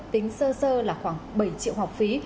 tính sơ sơ là khoảng bảy triệu học phí